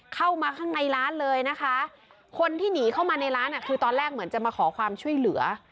เข้ามาข้างในร้านเลยนะคะคนที่หนีเข้ามาในร้านอ่ะคือตอนแรกเหมือนจะมาขอความช่วยเหลือ